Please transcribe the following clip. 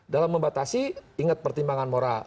dalam membatasi ingat pertimbangan moral